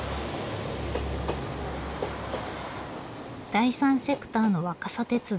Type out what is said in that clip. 第三セクターの若桜鉄道。